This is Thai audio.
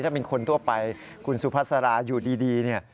ถ้าเป็นคนทั่วไปคุณสุภาษาราอยู่ดีเนี่ย